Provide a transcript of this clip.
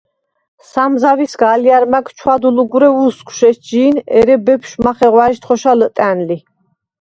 სამ ზავისგა ალჲა̈რ მა̈გ ჩვადლუგვრე ვუსგვშ ეჩჟი̄ნ, ერე ალ ბეფშვ მახაღვა̈ჟდ ხოშა ლჷტა̈ნ ლი.